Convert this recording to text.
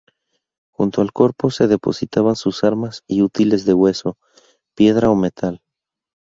Junto al cuerpo se depositaban sus armas y útiles de hueso, piedra o metal.